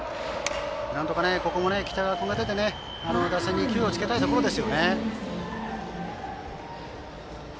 なんとかここも北川君が出て打線に勢いをつけたいところですよね。